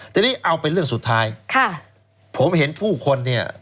ทีนี้เอาเป็นเรื่องสุดท้ายผมเห็นผู้คนเนี่ย